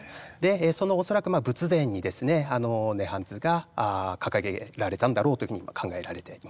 その恐らく仏殿にですね「涅槃図」が掲げられたんだろうというふうに考えられています。